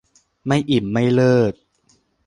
ไม่อิ่มไม่เลิก